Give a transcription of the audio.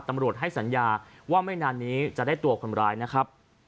ตำรวจให้สัญญาว่าไม่นานนี้จะได้ตัวคนร้ายนะครับ